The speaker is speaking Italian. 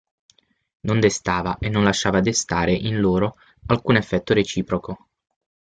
Non destava e non lasciava destare in loro alcun affetto reciproco.